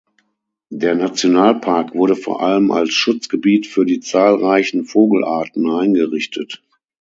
Der Nationalpark wurde vor allem als Schutzgebiet für die zahlreichen Vogelarten eingerichtet.